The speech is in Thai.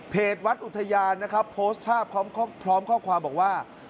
วัดอุทยานนะครับโพสต์ภาพพร้อมข้อความบอกว่า